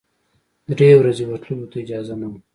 درې ورځې ورتللو ته اجازه نه وه.